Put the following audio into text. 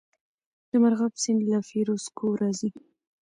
د مرغاب سیند له فیروز کوه راځي